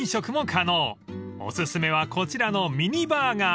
［お薦めはこちらのミニバーガー］